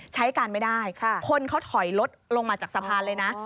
ใช้การไม่ได้คนเขาถอยรถลงมาจากสะพานเลยนะ